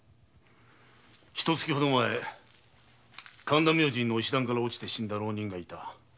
ひと月前神田明神の石段から落ちて死んだ浪人がいた。